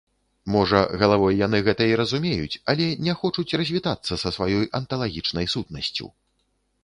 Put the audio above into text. Можа, галавой яны гэта і разумеюць, але не хочуць развітацца са сваёй анталагічнай сутнасцю.